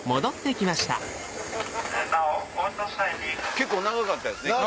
結構長かったですね。